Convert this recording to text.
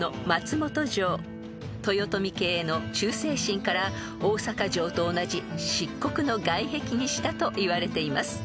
［豊臣家への忠誠心から大阪城と同じ漆黒の外壁にしたといわれています］